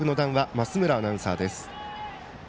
増村アナウンサーです。